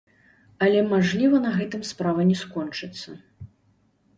Але, мажліва, на гэтым справа не скончыцца.